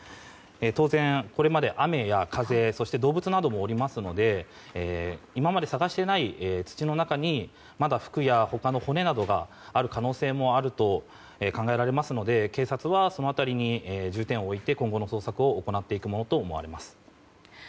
当然、これまで雨や風そして動物などもいますので今まで探していない土の中にまだ服や他の骨などがある可能性もあると考えられますので警察はその辺りに重点を置いて今後の捜索を行っていくものとみられます。